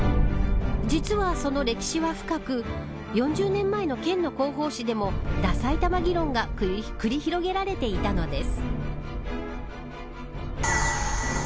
実はその歴史は深く４０年前の県の広報誌でもダさいたま議論が繰り広げられていたのです。